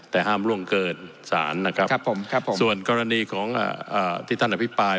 แต่ห้ามล่วงเกินศาลนะครับส่วนกรณีของที่ท่านอภิปราย